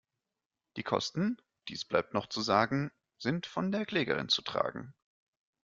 Die Kosten – dies bleibt noch zu sagen – sind von der Klägerin zu tragen.